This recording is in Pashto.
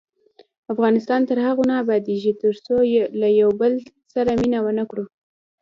افغانستان تر هغو نه ابادیږي، ترڅو له یو بل سره مینه ونه کړو.